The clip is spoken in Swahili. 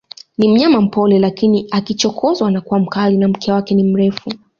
Ni mnyama mpole lakini akichokozwa anakuwa mkali na mkia wake ni mrefu